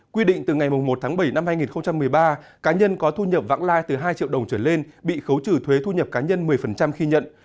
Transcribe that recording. quy định từ ngày một tháng bảy năm hai nghìn một mươi ba cá nhân có thu nhập vãng lai từ hai triệu đồng trở lên bị khấu trừ thuế thu nhập cá nhân một mươi khi nhận